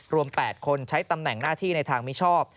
๘คนใช้ตำแหน่งหน้าที่ในทางมิชอบ